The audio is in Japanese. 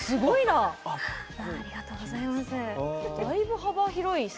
ありがとうございます。